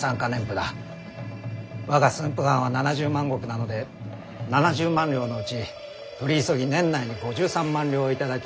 我が駿府藩は７０万石なので７０万両のうち取り急ぎ年内に５３万両を頂き。